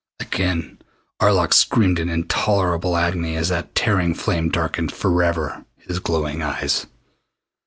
Again Arlok screamed in intolerable agony as that tearing flame darkened forever his glowing eyes.